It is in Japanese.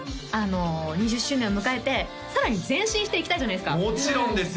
２０周年を迎えてさらに前進していきたいじゃないですかもちろんですよ